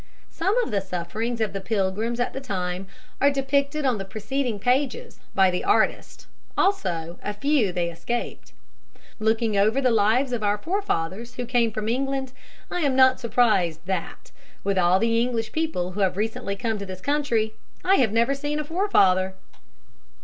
Some of the sufferings of the Pilgrims at the time are depicted on the preceding pages by the artist, also a few they escaped. Looking over the lives of our forefathers who came from England, I am not surprised that, with all the English people who have recently come to this country, I have never seen a forefather.